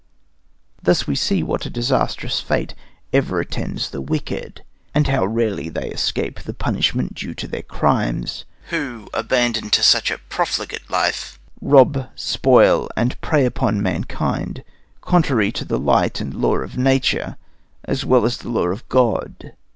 Thus we see what a disastrous fate ever attends the wicked, and how rarely they escape the punishment due to their crimes, who, abandoned to such a profligate life, rob, spoil, and prey upon mankind, contrary to the light and law of nature, as well as the law of God.